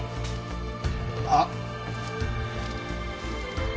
あっ。